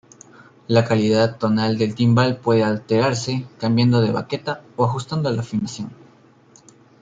La calidad tonal del timbal puede alterarse cambiando de baqueta o ajustando la afinación.